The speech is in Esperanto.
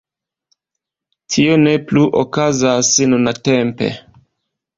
Tio ne plu okazas nuntempe.